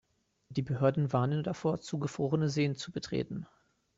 Die Behörden warnen davor, zugefrorene Seen zu betreten.